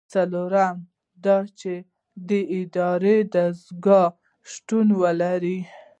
څلورم دا چې د داورۍ دستگاه شتون ولري.